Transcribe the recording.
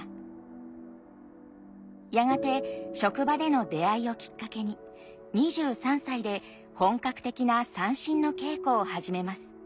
やがて職場での出会いをきっかけに２３歳で本格的な三線の稽古を始めます。